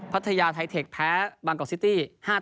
พัทยาไทเทคแพ้บางกอกซิตี้๕๐